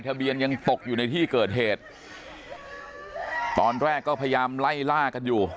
เบียนยังตกอยู่ในที่เกิดเหตุตอนแรกก็พยายามไล่ล่ากันอยู่